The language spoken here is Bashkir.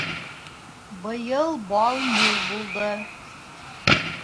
Быйыл бал мул булды.